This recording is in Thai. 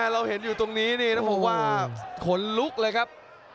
เราเห็นอยู่ตรงนี้นี่ต้องบอกว่าขนลุกเลยครับ